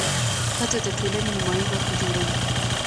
ښځه د ټولنې نیمایي برخه جوړوي.